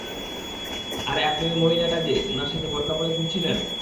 আরে আপনি ওই মহিলাটা যে, উনার সাথে বোরকা পরে ঘুরছিলেন?